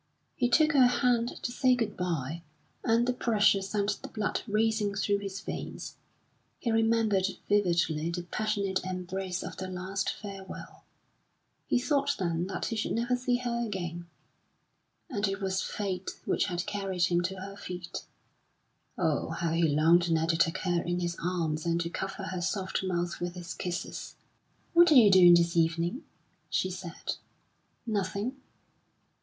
He took her hand to say good bye, and the pressure sent the blood racing through his veins. He remembered vividly the passionate embrace of their last farewell. He thought then that he should never see her again, and it was Fate which had carried him to her feet. Oh, how he longed now to take her in his arms and to cover her soft mouth with his kisses! "What are you doing this evening?" she said. "Nothing."